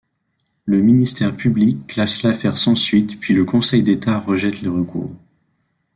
Le ministère public classe l'affaire sans suite puis le Conseil d'État rejette les recours.